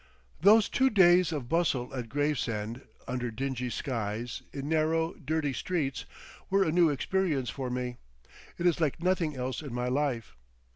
Those two days of bustle at Gravesend, under dingy skies, in narrow, dirty streets, were a new experience for me. It is like nothing else in my life.